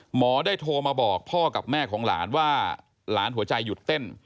หมอได้โทรมาบอกพ่อกับแม่ของหลานว่าหลานหัวใจหยุดเต้น